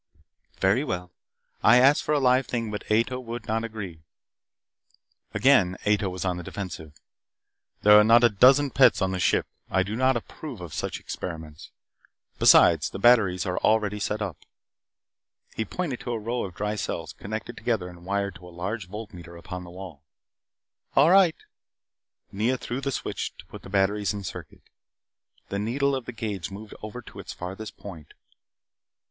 "Very well. I asked for a live thing, but Ato would not agree." Again Ato was on the defensive. "There are not a dozen pets on the ship. I do not approve of such experiments. Besides, the batteries are already set up." He pointed to a row of dry cells, connected together and wired to a large volt meter upon the wall. "All right." Nea threw a switch that put the batteries in circuit. The needle of the gauge moved over to its farthest point.